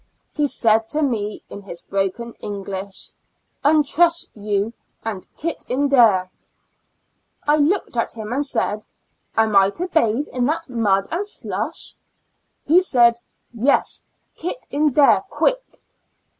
He said to me in his broken English, ^' untress you and hit in dareP I looked at him and said, "am I to bathe in that mud and slush?" he said, "yes, kit in dare quick."